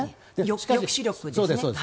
抑止力ですね。